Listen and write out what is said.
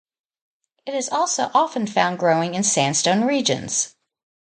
It is also often found growing in sandstone regions.